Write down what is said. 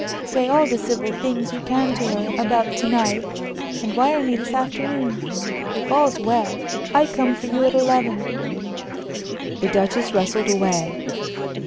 Say all the civil things you can to her about to night, and wire me this afternoon. If all's well, I come for you at eleven." The Duchess rustled away.